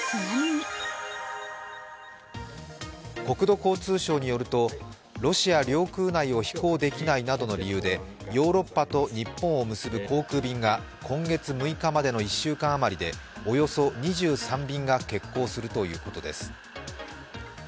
国土交通省によるとロシア領空内を飛行できないなどの理由でヨーロッパと日本を結ぶ航空便が今月６日までの１週間余りでおよそ２３便が欠航するということです。